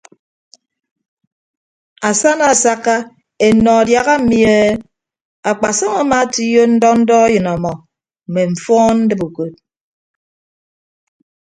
Asana asakka ennọ adiaha mmi e akpasọm amaatoiyo ndọ ndọ eyịn ọmọ mme mfọọn ndibe ukod.